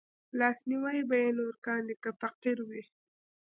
لاسنيوی به يې نور کاندي که فقير وي